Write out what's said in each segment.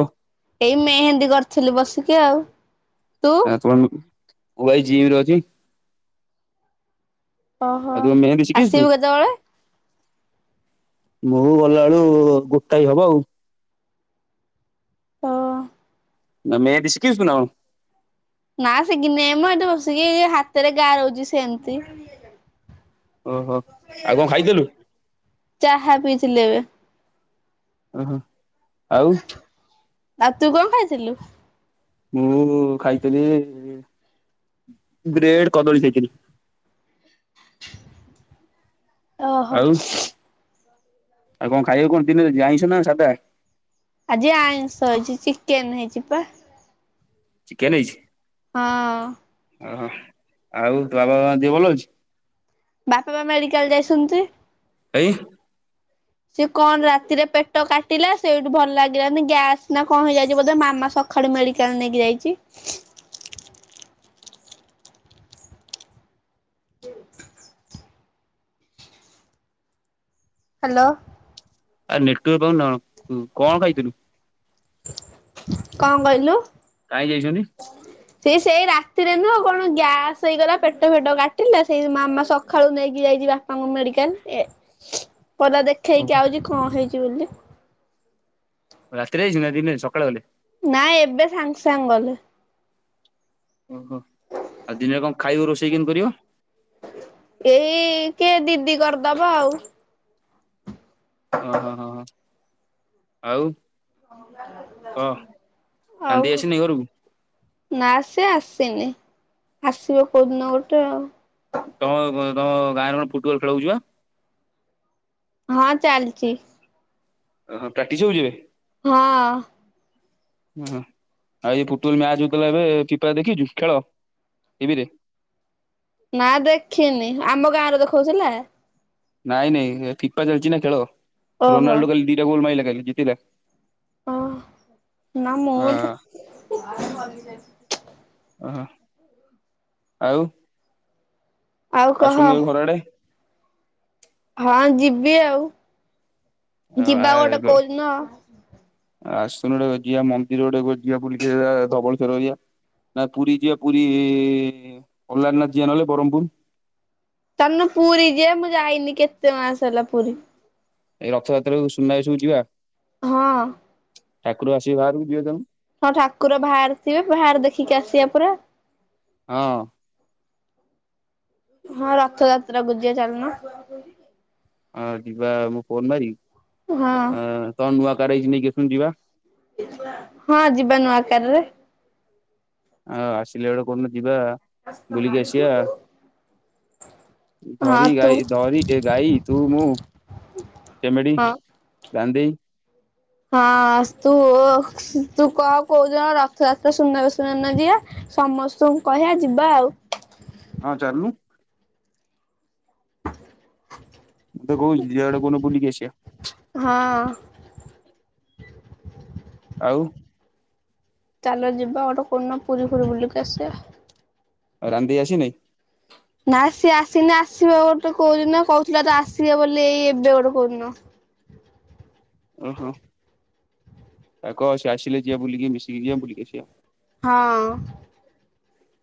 ଓହ ଏଇ ମେହେନ୍ଦୀ କରିଥିଲି ବସିକି ଆଉ ତୁ [unintelligible] ମୁଉ ଭାଇ ଯିଏମରେ ଅଛି। ଓହୋ। ଆଉ ତୁ ମେହେନ୍ଦୀ ଆସିବୁ ଶିଖିଚୁ? କେତେବେଳେ? ବୋହୂ ଗଲା ବେଳୁ ଗୋଟାଏ ହବ ଆଉ ହଁ। ନାଁ ମେହେନ୍ଦୀ ସିକିଛୁ ନା କଣ? ନା ସିକି ନାଇଁ, ମୁଁ ଏଠି ବସିକି ହାତରେ ଗାରେଉଛି ସେମିତି। ଓହୋ। ଆଉ କଣ ଖାଇଥିଲୁ? ଚାହା ପିଇ ଥିଲି ଏବେ। ଓହୋ। ଆଉ। ଆଉ ତୁ କଣ ଖାଇଥିଲୁ? ମୁଁ ଖାଇଥିଲି ବ୍ରେଡ କଦଳୀ ଖାଇଥିଲି। ଓହୋ। ଆଉ ଆଉ କଣ ଖାଇବ କଣ ଦିନରେ ଯ ଆଇସ ନା ସାଧା। ଆଜି ଆଇଁଷ ହେଇଛି ଚିକେନ ହେଇଛି ପା। ଚିକେନ ହେଇଛି। ହଁ। ଓହୋ ଆଉ ବାବା ମା ଦିହ ଭଲ ଅଛି। ବାପା ପା ମେଡ଼ିକାଲ ଯାଇଛନ୍ତି। ଏଇ ସେ କଣ ରାତିରେ ପେଟ କାଟିଲା ସେଇଠୁ ଭଲ ଲାଗିଲାନି ଗ୍ୟାସ୍ ନା କଣ ହେଇଯାଉଛି ବୋଧେ ମାମା ସକା ସଖାଳୁ ମେଡିକାଲ ନେଇକି ଯାଇଛି। [inaudible] [inaudible] ହ୍ୟାଲୋ। ଆ ନେଟୱାର୍କ ପାଉନି ନା କଣ କଣ ଖାଇଥିଲୁ? କଣ କହିଲୁ? କାହିଁ ଯାଇଛନ୍ତି। ସେ ସେଇ ରାତିରେ ନୁହଁ କଣ ଗ୍ୟାସ ହେଇଗଲା ପେଟ ଫେଟ କାଟିଲା ସେଇ ମାମା ସକାଳୁ ନେଇକି ଯାଇଯିବା ତାଙ୍କୁ ମେଡ଼ିକାଲ ଏ କହିଲା ଓହୋ ଦେଖେଇକି ଆଉଛି କଣ ହେଇଛି ବୋଲି। ରାତିରେ ଯାଇଛନ୍ତି ନା ଦିନରେ ସକାଳେ ଗଲେ। ନାଇଁ ଏବେ ସାଙ୍ଗେ ସାଙ୍ଗ ଗଲେ। ଓହୋ ଆଉ ଦିନରେ କଣ ଖାଇବ ରୋଷେଇ କେମିତି କରିବ। ଏଇ କିଏ ଦିଦି କରିଦବ ଆଉ। ଓ ହଁ ହଁ ହଁ ଆଉ। କହ କାନ୍ଦି ଆଉ। ଆସିନି ଘରକୁ? ନା ସେ ଆସିନି ଆସିବ କୋଉଦିନ ଗୋଟେ ଆଉ। ତମ ତମ ଗାଁ ରେ କଣ ଫୁଟବଲ ଖେଳ ହଉଛି ବା। ହଁ ଚାଲିଛି। ଓହଁ ପ୍ରାକ୍ଟିସ ହଉଛି ଏବେ। ହଁ। ଓହ ଆଉ ଏ ଫୁଟବଲ ମ୍ୟାଚ ହୋଉଥିଲା ଏବେ ଫିଫା ଦେଖିଛୁ ଖେଳ। ଟିଭିରେ। ନା ଦେଖିନି ଆମ ଗାଁରେ ଦେଖଉଥିଲା। ନାଇଁ ନାଇଁ ଫିଫା ଚାଲିଛି ନା ଖେଳ ଓହୋ ରୋନାଲ୍ଡୋ କାଲି ଦିଟା ଗୋଲ ମାଇଲା କାଲି ଜିତିଲା। ଓ ନା ମୁଦ ଓହୋ ଆଉ। ଆଉ କହ ଆସୁନୁ କେବେ ଘର ଆଡେ? ହଁ ଯିବି ଆଉ ଯିବା ଗୋଟେ କହୁଦିନ ଆଉ। ଆସୁନ ଗୋଟେ ଜିଆ ମନ୍ଦିର ଗୋଟେ ଜିଆ ବୁଲିକି ଧବଳେଶ୍ୱର ଘରୀଆ। ନା ପୁରୀ ଯିବା ପୁରୀ ଅଲାରନାଥ ଯିବା ନହଲେ ବ୍ରହ୍ମପୁର। ଚାଲୁନୁ ପୁରୀ ଯିବା ମୁଁ ଯାଇନି କେତେ ମାସ ହେଲା ପୁରୀ। ଏଇ ରଥଯାତ୍ରାକୁ ସୁନା ବେଶ କୁ ଯିବା। ହଁ। ଠାକୁର ଆସିବେ ବାହାରକୁ ଯିବେ ଚାଲୁନୁ। ହଁ ଠାକୁର ବାହାରକୁ ଯିବେ ବାହାର ଦେଖିକି ଆସିବା ପରା। ହଁ। ହଁ ରଥଯାତ୍ରାକୁୁ ଯିବା ଚାଲୁନ। ହଁ ଯିବା ମୁଁ ଫୋନ୍ ମାରି ହଁ ତମ ନୂଆ କାର ହେଇଚି ନେଇକି ଆସନୁ ଯିବା। ହଁ ଯିବା ନୂଆ କାରରେ ହଁ ଆସିଲେ ବେଳକୁ କୋଉଦିନ ଯିବା ବୁଲିକି ଆସିବା ହଁ ଧରି ତୁ ଗାଈ ଧରି ଏ ଗାଈ ତୁ ମୁଁ ଚିମିଡ଼ି ହଁ ଗାନ୍ଧୀ ହଁ ତୁ ତୁ କହ କୋଉଦିନ ରଥ ଯାତ୍ରା ସୁନା ବେସ ଦିନ ଯିବା। ସମସ୍ତଙ୍କୁ କହିବା ଯିବା ଆଉ। ହଁ ଚାଲୁନୁ। [inaudible] ମୁଁ ତ କହୁଚି ଯିବା ଗୋଟେ କୋଉ ଦିନ ବୁଲିକି ଆସିବା। ହଁ। ଆଉ ଚାଲ ଯିବା ଗୋଟେ କୋଉ ଦିନ ପୁରୀ ଫୁୁର ବୁଲିକି ଆସିବା। ରାନୀ ଦେଇ ଆସୁନି? ନା ସିଏ ଆସୁନି ଆସିବ ଗୋଟେ କୋଉଦିନ କହୁଥିଲା ତ ଆସିବ ବୋଲି ଏଇ ଏବେ ଗୋଟେ କୋଉଦିନ ଓହୋ ତାକୁ କହ ସିଏ ଆସିଲେ ଯିିବା ବୁଲିକି ମିଶିକି ଯିିବା ବୁଲିକି ଆସିବା। ହଁ।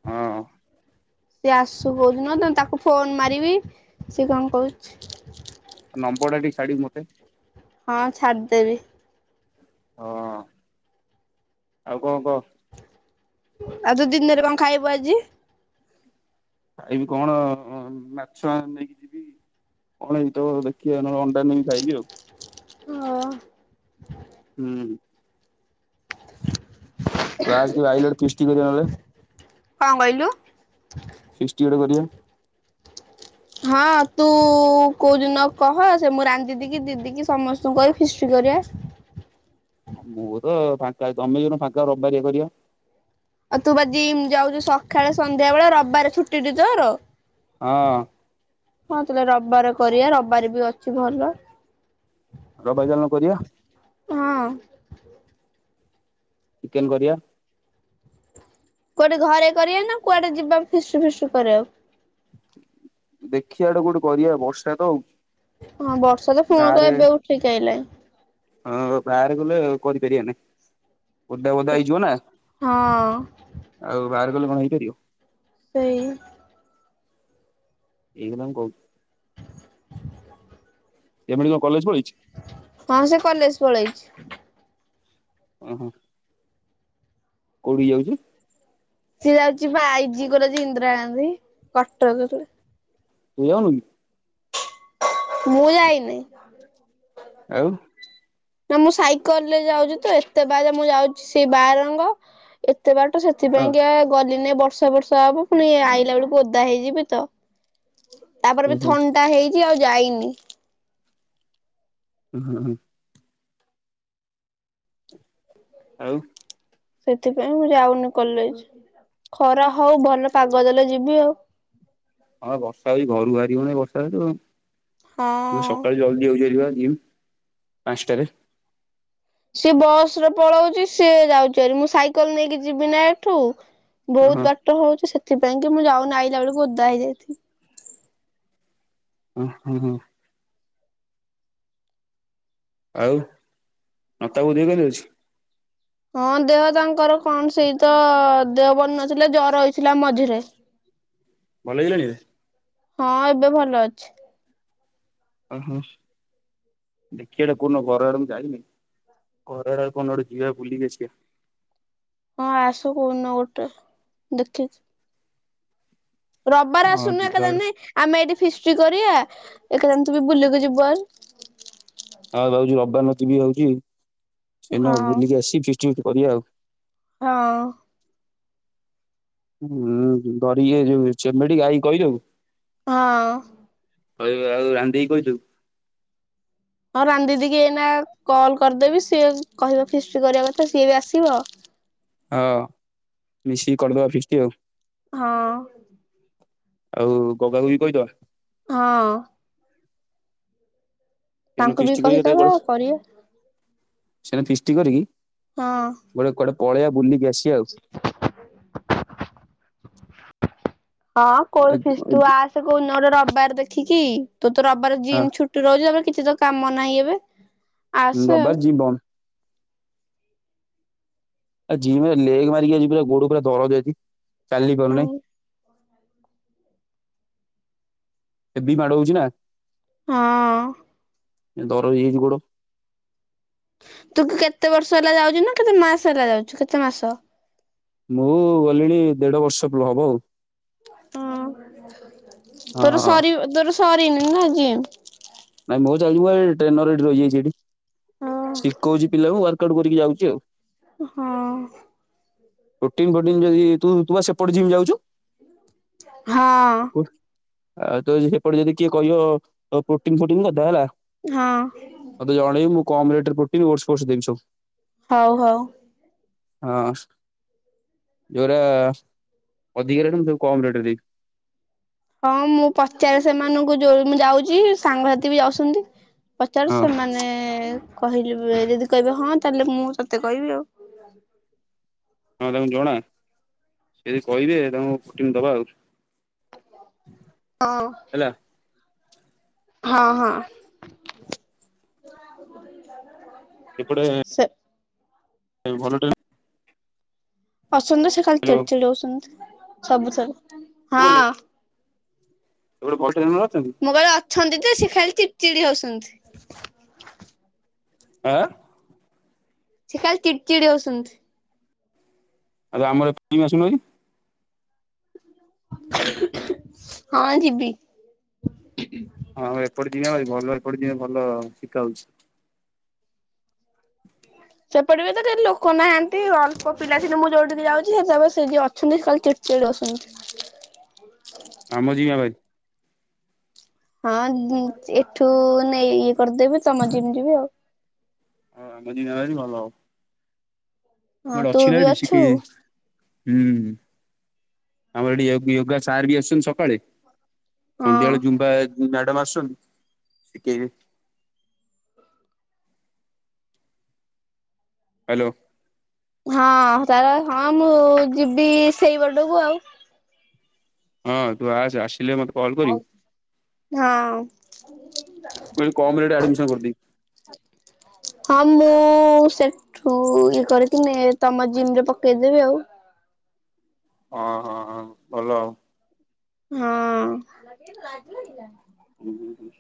ହଁ ସିଏ ଆସୁ କୋଉଦିନ ତ ତାକୁ ଫୋନ୍ ମାରିବି ସିଏ କଣ କହୁଚି ତା ନମ୍ବରଟା ଟିକେ ଛାଡ଼ିବୁ ମତେ ହଁ ଛାଡ଼ିଦେବି। ହଁ ଆଉ କଣ କହ। ଆଉ ତୁ ଦିନରେ କଣ ଖାଇବୁ ଆଜି? ଖାଇବି କଣ ମାଛ ନେଇକି ଯିବି କଣ ହେଇଥିବ ଦେଖିବା ନହଲେ ଅଣ୍ଡା ନେଇ ଖାଇବି ଆଉ। ହଁ। ହୁଁ। ତୁ ଆସେ କେବେ ଆଇଲେ ଫିଷ୍ଟି କରିବା ନହେଲେ କଣ କହିଲୁ? ଫିଷ୍ଟି ଗୋଟେ କରିବା ହଁ ତୁ କୋଉଦିନ କହ ସେ ମୁଁ ରାନୀ ଦିଦିକି ଦିଦିକିି ସମ ସ୍ତଙ୍କୁ କହିବି ଫିଷ୍ଟି କରିବା। ହଁ ମୁଁ ତ ଫାଙ୍କା ଚାଲୁନୁ ଯୋଉଦିନ ଫାଙ୍କା ରବିବାରିଆ କରିବା ଆଉ ତୁ ବା ଜିମ୍ ଯାଉଚୁ ସକାଳେ ସନ୍ଧ୍ୟାବେଳେ ରବିବାରେ ଛୁଟି ଟି ତୋର ହଁ। ହଁ ତାହଲେ ରବିବାର କରିବା ରବିବାର ବି ଅଛି ଭଲ ରବିବାର ଚାଲୁନ କରିବା। ହଁ। ଚିକେନ କରିବା କୁଆଡେ ଘରେ କରିବା ନା କୁଆଡେ ଯିବା ଫିଷ୍ଟ ଫିଷ୍ଟ କରିବାକୁ? ଦେଖିଆ ଗୋଟେ କୋଉଠେ କରିବା ବର୍ଷା ତ ହଁ ବର୍ଷା ତ ଫୁଣି କହ ବାହାରେ ଏବେ ଉଠେଇକି ଆଇଲାଣି ହଁ ବାହାରେ କଲେ କରିପାରିବାନି ଓଦା ଓଦା ହେଇଯିବ ନା ହଁ ଆଉ ବାହାର କଲେ କଣ ହେଇପାରିବ। ସେଇ। ଏଇ କଥା ମୁଁ କହୁଚି। ଚେମିଣି କଣ କଲେଜ୍ ପଳେଇଚି? ହଁ ସେ କଲେଜ୍ ପଳେଇଚି। ଅଁ- ହ। କଉଠିକି ଯାଉଚି? ସିଏ ଯାଉଚି ପା ଆଇଜି କଲେଜେ ଇନ୍ଦିରା ଗାନ୍ଧୀ କଟକରେ। ତୁ ଯାଉନୁ କି? ମୁଁ ଯାଇନି। ଆଉ? ନା ମୁଁ ସାଇକେଲ୍ ରେ ଯାଉଚି ତ ଏତେ ବାଟ ମୁଁ ଯାଉଚି ସେଇ ବାରଙ୍ଗ ଏତେ ବାଟ ସେ ସେଥିପାଇଁ ହଁ କା ଗଲିନି ବର୍ଷା ଫର୍ଷା ହବ ପୁଣି ଆଇଲା ବେଳକୁ ଓଦା ହେଇଯିବି ତ। ତାପରେ ବି ଓହୋ ଥଣ୍ଡା ହେଇଚି ଆଉ ଯାଇନି। [inaudible] ଆଉ ସେଥିପାଇଁ ମୁଁ ଯାଉନି କଲେଜ୍ ଖରା ହଉ ଭଲ ପାଗ ଦେଲେ ଯିବି ଆଉ। ହଁ ବର୍ଷା ହଉଚି ଘରୁ ବାହାରି ହଉନାହିଁ ବର୍ଷା ହେତୁ। ହଁ। ସକାଳୁ ଜଲ୍ଦି ଯାଉଚି ଭାରି ବା ଜିମ୍ ପାଞ୍ଚ୍ ଟାରେ। ସିଏ ବସ୍ ରେ ପଳଉଚି ସିଏ ଯାଉଚି ହାରି ମୁଁ ସାଇକେଲ୍ ନେଇକି ଯିବିନା ଏଠୁ। ବହୁତ ଓହୋ ବାଟ ହଉଚି ସେଥିପାଇଁ କି ମୁଁ ଯାଉନି ଆଇଲା ବେଳକୁ ଓଦା ହେଇଯାଇଥିବି। ଅଁ-ହଁ-ହଁ। ଆଉ [unintelligible] ଦେହ କେମିତି ଅଛି? ହଁ ଦେହ ତାଙ୍କର କଣ ସେଇତ ଦେହ ଭଲ୍ ନଥିଲା ଜର ହେଇଥିଲା ମଝିରେ। ଭଲ ହେଇଗଲାଣି? ହଁ ଏବେ ଭଲ ଅଛି। ଅଁ- ହ। ଦେଖିବା କଉଦିନ ଘର ଆଡେ ମୁଁ ଯାଇନି ଘର ଆଡେ କଉଦିନ ଗୋଟେ ଯିବା ବୁଲିକି ଆସିବା। ହଁ ଆସ କଉଦିନ ଗୋଟେ ଦେଖି। ରବିବାର ହଁ ଆସୁନୁ ଯିବା [unintelligible] ନାଇଁ ଆମେ ଏଇଠି ଫିଷ୍ଟି କରିବା [unintelligible] ହଁ [unintelligible] ହଉ। ହୁଁ [unintelligible] ଏଯଉ ଚେମେଠି ଗାଈ କହିଦବୁ। ହଁ। [unintelligible] ଆଉ ରାନି ଦେଇ କି କହିଦବୁ। ହଁ ରାନି ଦିଦି କିି ଏଇନା କଲ୍ କରିଦେବି ସିଏ କହିବ ଫିଷ୍ଟି କରିବା କଥା ସିଏ ବି ଆସିବ। ହଁ ମିଶିକି କରିଦବା ଫିଷ୍ଟି ଆଉ। ହଁ। ଆଉ ଗଗାକୁ ବି କହିଦବା। ହଁ। ତାଙ୍କୁ ବି କହିଦବା କରିବା [unintelligible] ହଁ। ଗୋଟେ କୁଆଡେ ପଳେଇବା ବୁଲିକି ଆସିବା। ଆଉ। ହଁ କଉ ଫିଷ୍ଟି ତୁ ଆସେ କଉଦିନ ରବିବାର ଦେଖିକି। ତୋର ତ ରବିବାର ହଁ ଜିମ୍ ଛୁଟି ରହୁଚି ତାପରେ କିଛି ତ କାମ ନାହିଁ ଏବେ। ଆସେ ଆଉ ରବାର ଜିମ୍ ବନ୍ଦ। ଆ ଜିମରେ ଲେଗ ମାରିଲି ଆଜି ପୁରା ଗୋଡ ପୁରା ଦରଜ ହେଇଚି ଚାଲିି ପାରୁନାଇଁ। ହୁଁ ହେବି ମାଡ ହଉଛି ନା। ହଁ। ଏ ଦରଜ ହେଇଯାଇଛି ଗୋଡ। ତୁ କୁ କେତେ ବର୍ଷ ହେଲା ଯାଉଛୁ ନା କେତେ ମାସ ହେଲା ଯାଉଛୁ କେତେ ମାସ? ମୁଁ ଗଲିଣି ଦେଢ ବର୍ଷ ପୂର୍ବ ହବ ଆଉ। ହଁ ତୋର ହଁ ସରିବ ତୋର ସରିନି ନା ଜିମ୍? ନାଇଁ ମୋ ଚାର୍ଜରୁ ପା ଏ ଟ୍ରେନର ଏଠି ରହିଯାଇଛି ଏଠି। ହଁ ଶିଖଉଚି ପିଲାଙ୍କୁ ୱାର୍କ ଆଉଟ କରିକି ଯାଉଚି ଆଉ। ହଁ। ପ୍ରୋଟିନ୍ ଫୋଟିନ୍ ଯଦି ତୁ ତୁ ପା ସେପଟେ ଜିମ୍ ଯାଉଚୁ? ହଁ। ଆ ତୋ ସେପଟେ ଯଦି କିଏ କହିବ ପ ପ୍ରୋଟିନ୍ ଫୋଟିନ୍ କଥା ହେଲା। ହଁ। ମତେ ଜଣେଇବୁ ମୁଁ କମ୍ ରେଟ୍ରେ ପ୍ରୋଟିନ ଓଟ୍ସ ଫୋଟ୍ସ ଦେବି ସବୁ। ହଉ ହଉ। ହଁ। ଯୋଉରା ଅଧିକ ରେଟ୍ ମୁଁ ତାକୁ କମ୍ ରେଟରେ ଦେଵି। ହଁ ମୁଁ ପଚାରେ ସେମାନୁଙ୍କୁ ଯୋଉ ମୁଁ ଯାଉଚିସ୍। ସାଙ୍ଗସାଥି ବି ଯାଉସନ୍ତି ପଚାରେ ହଁ ସେମାନେ। କହିଲି ବେ ଯଦି କହିବେ ହଁ ତାହେଲେ ମୁଁ ତତେ କହିବି ଆଉ। ହଁ ତାଙ୍କୁ ଜଣା ସେ କହିବେ ତାଙ୍କୁ ପ୍ରୋଟିନ୍ ଦବା ଆଉ। [inaudible] ହଁ। ହେଲା ହଁ ହଁ। ଏପଟେ। ସେ ଏବେ ଭଲ ଟେ ଅଛନ୍ତି ତ ସେ ଖାଲି ହ୍ୟାଲୋ ଚିଡ୍ ଚିଡ୍ ହୋଉସନ୍ତ୍ ସବୁଥେରେ ହଁ। ଏବେ ବସ୍ ଟ୍ରେନର ଅଛନ୍ତି? ମୁଁ କହିଲି ଅଛନ୍ତି ଯେ ସେ ଖାଲି ଚିଡ୍ ଚିଡ୍ ହୋଉସନ୍ତି। ଆଁ। ସେ ଖାଲି ଚିଡ୍ ଚିଡ୍ ହୋଉସନ୍ତି। ଆରେ ଆମ ଏପଡ ଜିମ୍ କୁ ଆସୁନୁ ଭାରି। ହଁ ଯିବି। ଆଁଉ ଏପଟେ ଜିମ୍ ଆଭାରି ଭଲ ଏପଟେ ଜିମରେ ଭଲ ଶିଖା ହଉଛି। ସେପଟେ ବି ତ କେହି ଲୋକ ନାହାନ୍ତି ଅଳ୍ପ ପିଲା ଥିଲେ ମୁଁ ଯୋଉ ଠିକି ଯାଉଛି ସେ ସେ ଯିଏ ଅଛନ୍ତି ସେ ଖାଲି ଚିଡ୍। ଚିଡ୍ ହୋଉଛନ୍ତି। ଆମ ଯିମ୍ ଆଭାରି। ହଁ ଦ୍ବି ଏଠୁ ନେଇ ଇଏ କରିଦେବି ତମ ଯିମ୍ ଯିବି ଆଉ। ହଁ ଯଦି ଦିନରେ ଆସିବୁ ଭଲ ହବ। ହଁ ଗୋଟେ ତୁ ଅଛି ନା ବି ଏଠି ଅଛୁ ସିପି। ହୁଁ ଆମର ଏଠି ୟୋ ୟୋଗା ସାର୍ ବି ଆସୁଚନ୍ତି ସକାଳେ। ହଁ ସନ୍ଧ୍ୟାବେଳେ ଜୁମ୍ବା ମ୍ୟାଡାମ ଆସୁଛନ୍ତି ଶିଖେଇବେ। ହାଲୋ। ହଁ ତାର ହଁ ମୁଁ ଯିବି ସେଇ ପଟକୁ ଆଉ ହଁ ତୁ ଆସେ ଆସିଲେ ମତେ କଲ୍ ହଁ। କରିବୁ ମୁଁ କହିଲି କମ୍ ରେ ଏଠି ଆଡ଼ମିସନ୍ କରିଦେବି। ହଁ ମୁଁ ସେଠୁ ଇଏ କରିକିନି ତମ ଜିମ୍ ରେ ପକେଇଦେବି ଆଉ। ହଁ, ହଁ, ହ ଭଲ ଆଉ। ହୁଁ। ହୁଁ, ହୁଁ।